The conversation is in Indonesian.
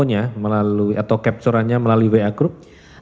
kirimkan melalui fotonya atau capture annya melalui wa group